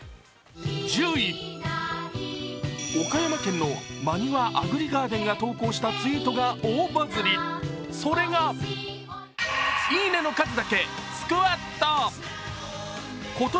岡山県の真庭あぐりガーデンが投稿したツイートが大バズ、それがいいねの数だけスクワット。